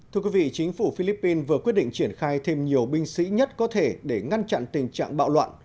thưa quý vị chính phủ philippines vừa quyết định triển khai thêm nhiều binh sĩ nhất có thể để ngăn chặn tình trạng bạo loạn